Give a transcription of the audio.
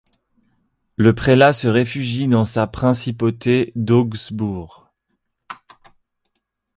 Le prélat se réfugie dans sa principauté d'Augsbourg.